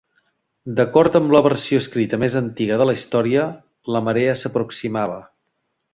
D'acord amb la versió escrita més antiga de la història, la marea s'aproximava.